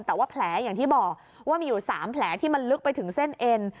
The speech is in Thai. แต่ว่าแผลอย่างที่บอกว่ามีอยู่๓แผลที่มันลึกไปถึงเส้นเอ็น